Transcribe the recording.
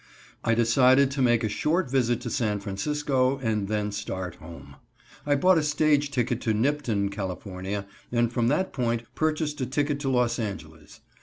I decided to make a short visit to San Francisco and then start home. I bought a stage ticket to Nipton, Cal., and from that point purchased a ticket to Los Angeles.